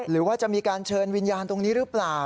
หรือว่าจะมีการเชิญวิญญาณตรงนี้หรือเปล่า